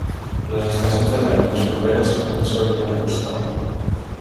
Les estacions de trens més properes són Windsor i Riverstone.